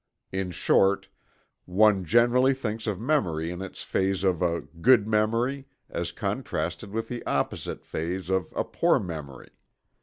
In short, one generally thinks of memory in its phase of "a good memory" as contrasted with the opposite phase of "a poor memory."